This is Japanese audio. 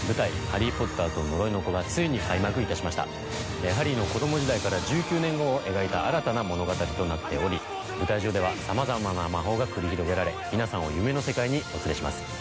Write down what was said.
「ハリー・ポッターと呪いの子」がついに開幕いたしましたハリーの子ども時代から１９年後を描いた新たな物語となっており舞台上では様々な魔法が繰り広げられ皆さんを夢の世界にお連れします